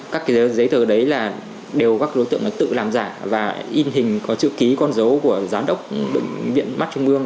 các giấy tờ đấy đều các đối tượng tự làm giả và in hình có chữ ký con dấu của giám đốc viện mắt trung ương